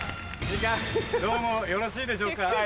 どうもよろしいでしょうか。